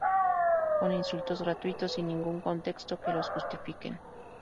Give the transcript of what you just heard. con insultos gratuitos sin ningún contexto que los justifiquen